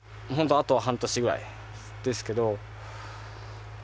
あと半年ぐらいですけどまあ